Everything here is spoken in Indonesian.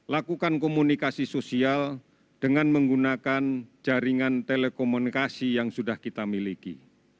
lakukan komunikasi sosial dengan menggunakan jaringan telekomunikasi yang sudah kita miliki